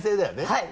はい。